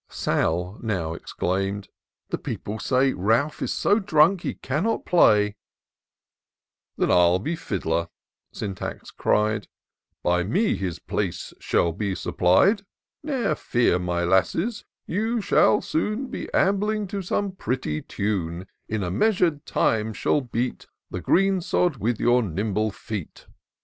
Sal now exclaim'd, " The people say, Ralph is so drunk he cannot play:" « Then Til be Fiddler," Syntax cried ;" By me his place shall be supplied ! Ne'er fear, my lasses, you shall soon Be ambling to some pretty tune. And in a measur'd time shall beat The green sod with your nimble feet.